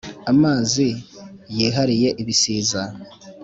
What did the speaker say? Amazi yihariye ibisiza,